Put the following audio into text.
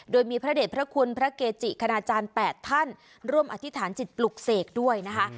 โดยมีพระเด็จพระคุณพระเกจิคณาจารย์๘ท่านร่วมอธิษฐานจิตปลุกเสกด้วยนะคะ